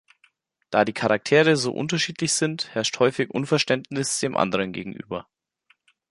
Da die Charaktere so unterschiedlich sind, herrscht häufig Unverständnis dem anderen gegenüber.